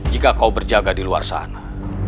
jika kau berjaga di luar sana